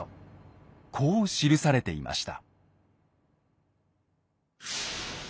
こう記されていました。